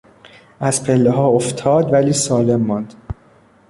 از پلهها افتاد ولی سالم ماند.